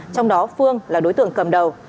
trong đó phương là đối tượng cầm đầu